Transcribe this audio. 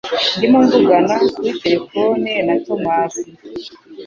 Ndimo mvugana kuri terefone na Tomasi.